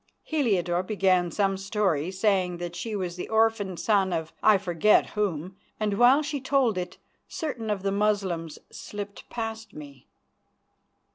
Heliodore began some story, saying that she was the orphan son of I forget whom, and while she told it certain of the Moslems slipped past me.